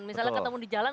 misalnya ketemu di jalan